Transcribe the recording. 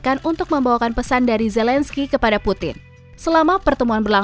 selanjut jokowi juga mengundang zelensky untuk menghadiri kttg dua puluh di bali